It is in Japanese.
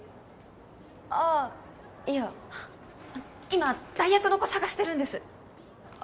ああいや今代役の子探してるんですあ